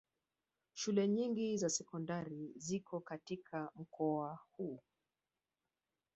Shule nyingi za sekondari ziko katika mkoa huu